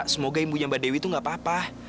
semoga imbunya mbak dewi tuh gak apa apa